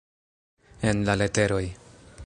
En la leteroj.